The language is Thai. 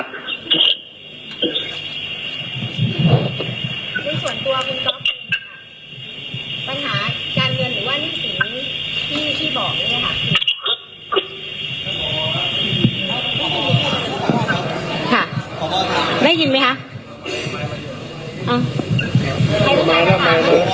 ปัญหาจานเงินหรือว่านิสีดีที่บอกนะครับ